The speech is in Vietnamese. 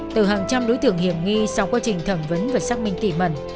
từ hàng trăm đối tượng hiểm nghi sau quá trình thẩm vấn và xác minh tỷ mẩn